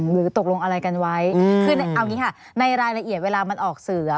หรือตกลงอะไรกันไว้คือเอาอย่างนี้ค่ะในรายละเอียดเวลามันออกสื่อ